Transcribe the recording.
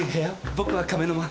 僕は亀の間。